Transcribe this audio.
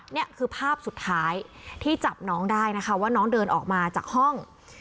นี่คือภาพสุดท้ายที่จับน้องได้นะคะว่าน้องเดินออกมาจากห้อง